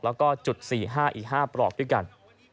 แล้วก็จุด๔๕อีก๕ปลอกด้วยกัน